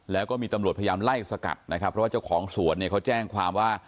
แล้วก็มีตำรวจพยายามไล่สกัดนะครับเพราะว่าเจ้าของสวนเนี่ยเขาแจ้งความว่า